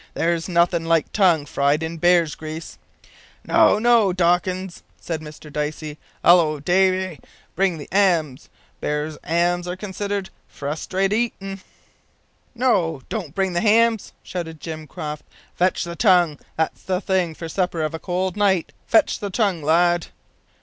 "There's nothin' like tongue fried in bear's grease." "No, no, Dawkins," said Mr Dicey. "Hallo! Davy; bring the 'ams. Bear's 'ams are considered fustrate heatin'." "No, don't bring the hams," shouted Jim Croft, "fetch the tongue; that's the thing for supper of a cold night fetch the tongue, lad."